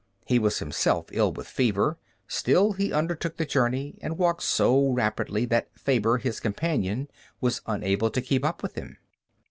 He was himself ill with fever, still he undertook the journey, and walked so rapidly that Faber, his companion, was unable to keep up with him.